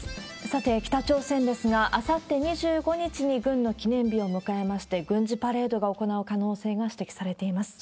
さて、北朝鮮ですが、あさって２５日に軍の記念日を迎えまして、軍事パレードが行われる可能性が指摘されています。